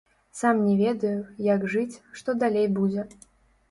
Сам не ведаю, як жыць, што далей будзе.